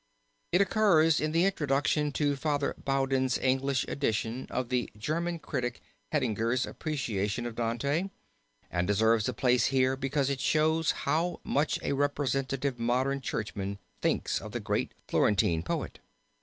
It occurs in the introduction to Father Bowden's English edition of the German critic Hettinger's appreciation of Dante, and deserves a place here because it shows how much a representative modern churchman thinks of the great Florentine poet.